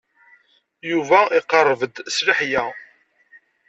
Yuba iqerreb-d s leḥya.